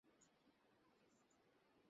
আমি তোমাকে ড্রাইভ এনে দিয়েছি।